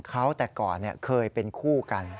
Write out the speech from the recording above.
เขาแต่ก่อนเคยเป็นคู่กัน